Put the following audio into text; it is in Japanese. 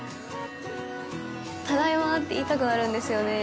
“ただいま！”って言いたくなるんですよね。